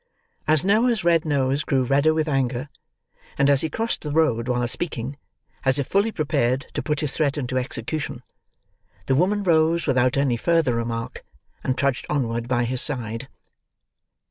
As Noah's red nose grew redder with anger, and as he crossed the road while speaking, as if fully prepared to put his threat into execution, the woman rose without any further remark, and trudged onward by his side.